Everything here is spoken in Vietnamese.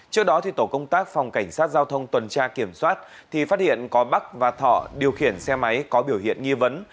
trước đó tổ công tác phòng cảnh sát giao thông tuần tra kiểm soát thì phát hiện có bắc và thọ điều khiển xe máy có biểu hiện nghi vấn